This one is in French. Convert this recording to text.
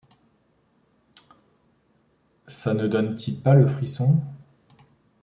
Ça ne donne-t-il pas le frisson?